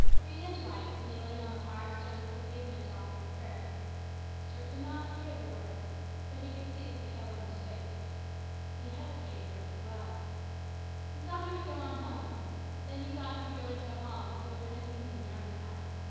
Rhena Dwight was kneeling right on the hard stones of the pavement offering a prayer. Stuart could not hear the words, but he could see the pale, earnest face. He hesitated where he was. He thought he would go on home. Then he thought he would go into the hall and see what kind of a meeting the army had.